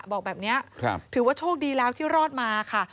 บอกแบบนี้ถือว่าโชคดีแล้วที่รอดมาค่ะ